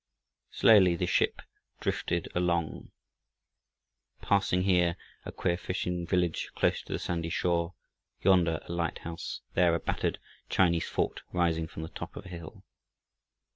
Slowly the ship drifted along, passing, here a queer fishing village close to the sandy shore, yonder a light house, there a battered Chinese fort rising from the top of a hill.